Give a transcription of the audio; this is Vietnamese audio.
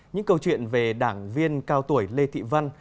những câu chuyện về đảng viên cao tuổi lê thị văn